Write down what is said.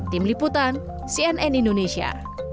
tim liputan cnn indonesia